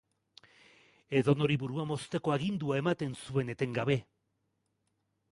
Edonori burua mozteko agindua ematen zuen etengabe.